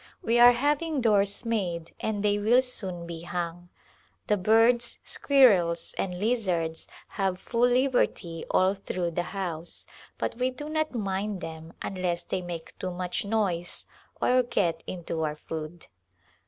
We are having doors made and they will soon be hung. The birds, squirrels, and lizards have full liberty all through the house, but we do not mind them unless they make too much noise or get into our food.